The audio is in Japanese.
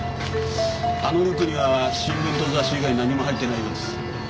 あのリュックには新聞と雑誌以外何も入っていないようです。